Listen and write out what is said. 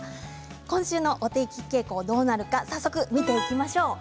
今週のお天気傾向どうなるか早速見ていきましょう。